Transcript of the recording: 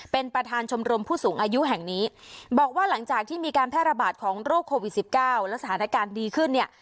เป็นประธานชมรมผู้สูงอายุแห่งนี้บอกว่าหลังจากที่มีการแพร่ระบาดของโรคโควิดสิบเก้าแล้วสถานการณ์ดีขึ้นเนี่ย